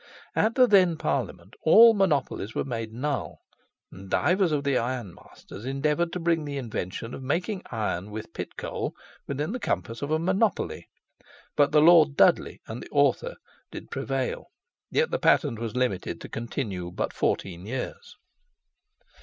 "At the then parliament all monopolies were made null, and divers of the ironmeasters endeavoured to bring the invention of making iron with pit coal within the compass of a monopoly; but the Lord Dudley and the author did prevail, yet the patent was limited to continue but fourteen years."